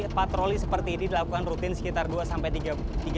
operasi patroli seperti ini dilakukan rutin sekitar dua tiga bulan